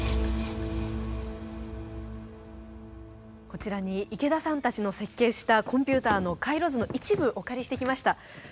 こちらに池田さんたちの設計したコンピューターの回路図の一部お借りしてきました。